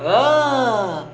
kalau ente nolak